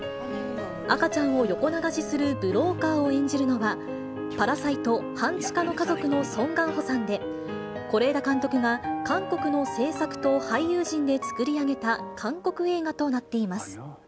赤ちゃんを横流しするブローカーを演じるのは、パラサイト半地下の家族のソン・ガンホさんで、是枝監督が韓国の製作と俳優陣で作り上げた韓国映画となっています。